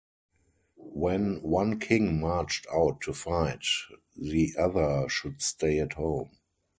When one king marched out to fight, the other should stay at home.